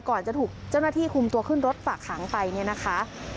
จะถูกเจ้าหน้าที่คุมตัวขึ้นรถฝากขังไปเนี่ยนะคะ